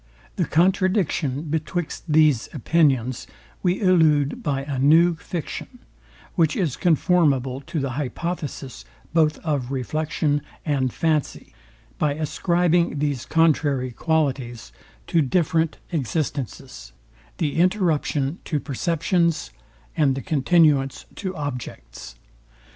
The contradiction betwixt these opinions we elude by a new fiction, which is conformable to the hypotheses both of reflection and fancy, by ascribing these contrary qualities to different existences; the interruption to perceptions, and the continuance to objects.